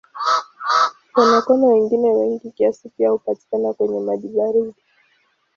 Konokono wengine wengi kiasi pia hupatikana kwenye maji baridi.